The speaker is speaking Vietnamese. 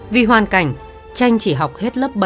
vì hoàn cảnh tranh chỉ học hết lớp ba